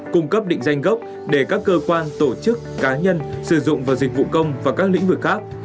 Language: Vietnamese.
cung cấp định danh gốc để các cơ quan tổ chức cá nhân sử dụng vào dịch vụ công và các lĩnh vực khác